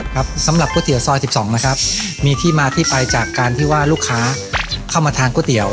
ครับสำหรับก๋วยเตี๋ยวซอย๑๒นะครับมีที่มาที่ไปจากการที่ว่าลูกค้าเข้ามาทานก๋วยเตี๋ยว